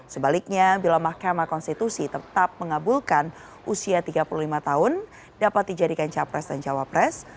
sebaliknya bila mahkamah konstitusi tetap mengabulkan usia tiga puluh lima tahun dapat dijadikan capres dan cawapres